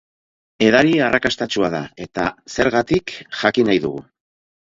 Edari arrakatstasua da eta zergatik jakin nahi dugu.